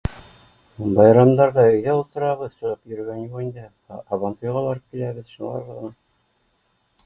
Байрамдарҙа өйҙә ултырабыҙ, сығып йөрөгән юҡ инде, һабантуйға барып киләбеҙ, шулар ғына